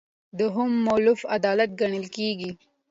دویمه مولفه عدالت ګڼل کیږي.